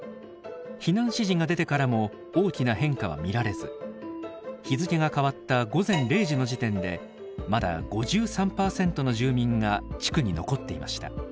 避難指示が出てからも大きな変化は見られず日付が変わった午前０時の時点でまだ５３％の住民が地区に残っていました。